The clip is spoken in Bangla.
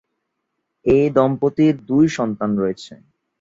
এ দম্পতির দুই সন্তান রয়েছে।